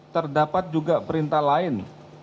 terdapat juga perintah lain